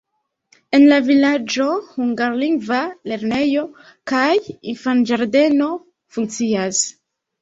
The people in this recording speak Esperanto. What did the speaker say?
En la vilaĝo hungarlingva lernejo kaj infanĝardeno funkcias.